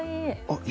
あっ！